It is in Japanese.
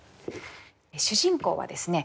主人公はですね